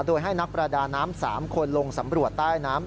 โดยให้นักประดาน้ำ๓คนลงสำรวจใต้น้ำ